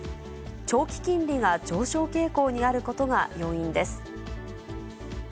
長期金利が上昇傾向にあることが要因です。